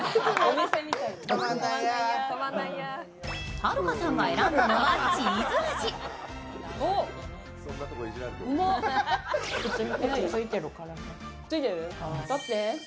はるかさんが選んだのはチーズ味。